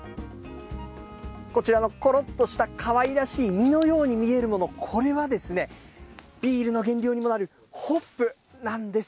こちらのころっとしたかわいらしい実のように見えるもの、これはですね、ビールの原料にもなるホップなんです。